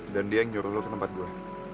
dan dia yang nyuruh lu ke tempat gua